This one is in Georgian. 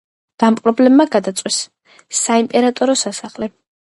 დამპყრობლებმა გადაწვეს საიმპერატორო სასახლე.